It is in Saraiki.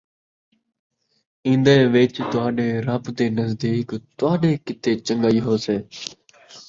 ایندے وِچ تہاݙے رَبّ دے نزدیک تُہاݙے کِیتے چن٘ڳائی ہے